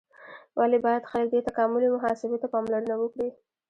ولې باید خلک دې تکاملي محاسبې ته پاملرنه وکړي؟